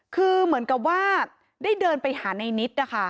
คือเหมือนกับว่าได้เดินไปหาในนิดนะคะ